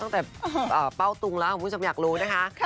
ตั้งแต่เป้าตุงแล้วผมอยากรู้นะคะ